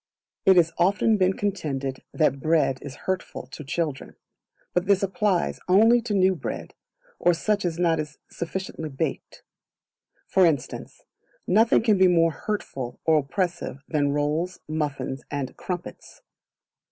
It has often been contended that Bread is hurtful to children; but this applies only to new bread, or such as is not sufficiently baked; for instance, nothing can be more hurtful or oppressive than rolls, muffins, and crumpets.